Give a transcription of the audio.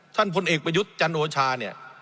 พลเอกประยุทธ์จันโอชาเนี่ย